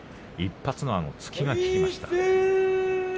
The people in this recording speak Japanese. １発のあの突きが効きました。